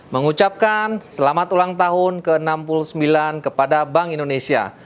mengucapkan selamat ulang tahun ke enam puluh sembilan kepada bank indonesia